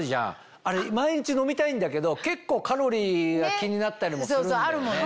あれ毎日飲みたいんだけど結構カロリーが気になったりもするんだよね。